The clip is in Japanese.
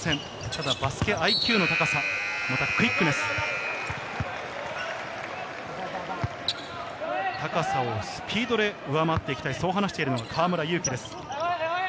ただバスケＩＱの高さ、またクイックネス、高さをスピードで上回っていきたいと話している河村勇輝です。